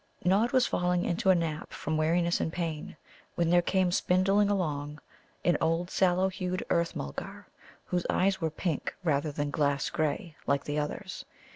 Nod was falling into a nap from weariness and pain, when there came spindling along an old sallow hued Earth mulgar, whose eyes were pink, rather than glass grey, like the others.